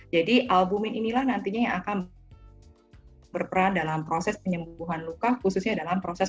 jadi albumin inilah nantinya akan berperan dalam proses penyembuhan luka khususnya dalam proses